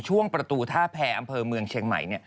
ช่วงประตูท่าแพรอำเภอเมืองเชียงใหม่